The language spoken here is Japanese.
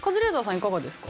いかがですか？